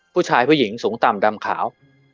ผู้ชายผู้หญิงสูงต่ำดำขาว